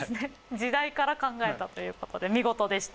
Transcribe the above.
時代から考えたということで見事でした。